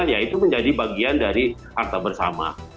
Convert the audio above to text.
ya itu menjadi bagian dari harta bersama